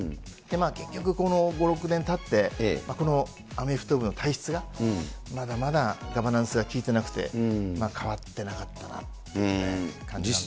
結局この５、６年たって、このアメフト部の体質が、まだまだガバナンスが利いてなくて、変わってなかったなと感じなんですね。